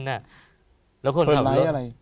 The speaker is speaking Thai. เปิดไลค์อะไร